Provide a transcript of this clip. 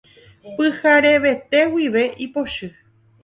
Pyharevete guive ipochy.